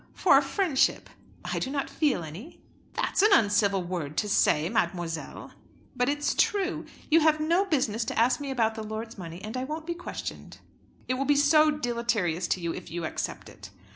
"For friendship." "I do not feel any." "That's an uncivil word to say, mademoiselle." "But it's true. You have no business to ask me about the lord's money, and I won't be questioned." "It will be so deleterious to you if you accept it."